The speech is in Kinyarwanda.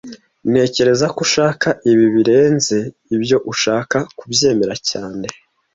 Ntekereza ko ushaka ibi birenze ibyo ushaka kubyemera cyane